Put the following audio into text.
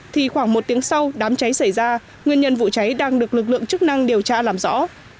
thì khoảng một tiếng sau đám cháy xảy ra nguyên nhân vụ cháy đang được lực lượng chức năng điều tra làm rõ